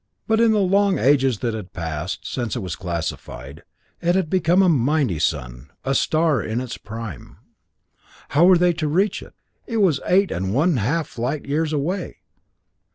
But in the long ages that had passed since it was classified, it had become a mighty sun a star in its prime. How were they to reach it? It was eight and one half light years away!